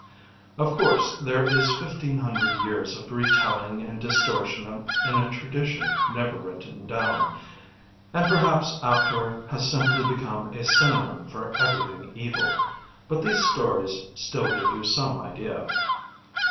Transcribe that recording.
Of course, there is fifteen hundred years of retelling and distortion in a tradition never written down, and perhaps Aptor has simply become a synonym for everything evil, but these stories still give you some idea.